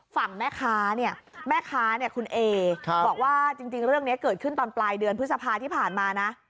ฝั่งแม่ค้าเนี่ยแม่ค้าเนี่ยคุณเอบอกว่าจริงเรื่องนี้เกิดขึ้นตอนปลายเดือนพฤษภาที่ผ่านมานะ